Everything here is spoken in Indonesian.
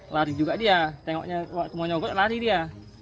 lari juga dia tengoknya wah kemau nyogot lari dia